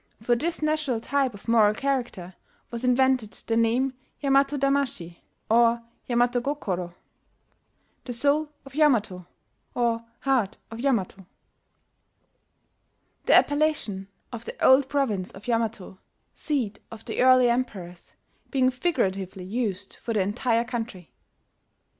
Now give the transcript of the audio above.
For this national type of moral character was invented the name Yamato damashi (or Yamato gokoro), the Soul of Yamato (or Heart of Yamato), the appellation of the old province of Yamato, seat of the early emperors, being figuratively used for the entire country.